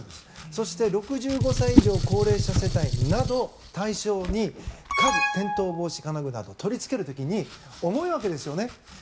そして、６５歳以上の高齢者世帯を対象に家具転倒防止金具など取りつける時に重いわけですよね。